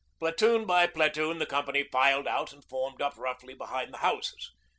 Platoon by platoon the company filed out and formed up roughly behind the houses.